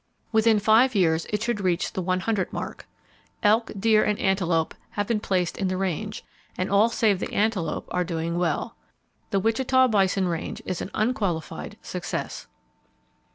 Within five years it should reach the one hundred mark. Elk, deer and antelope have been placed in the range, and all save the antelope are doing well. The Wichita Bison Range is an unqualified success.